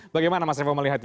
bagaimana mas revo melihatnya